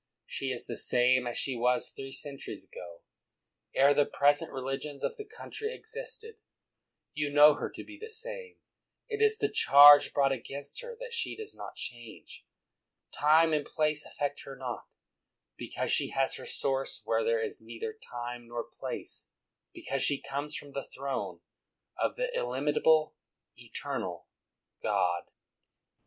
She is the same as she was three centuries ago, ere the present religions of the country existed; you know her to be the same; it is the charge brought against her that she does not change; time and place affect her not, because she has her source where there is neither time nor place, because she comes from the throne of the Illim itable, Eternal God.